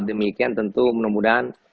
demikian tentu mudah mudahan